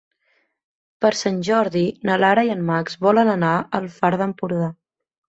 Per Sant Jordi na Lara i en Max volen anar al Far d'Empordà.